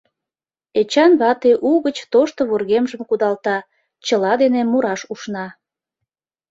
Эчан вате угыч тошто вургемжым кудалта, чыла дене мураш ушна.